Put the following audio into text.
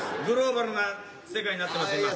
グローバルな世界になってます